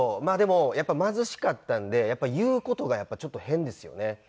まあでもやっぱり貧しかったんでやっぱり言う事がちょっと変ですよね。